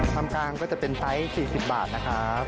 ทำกลางก็จะเป็นไซส์๔๐บาทนะครับ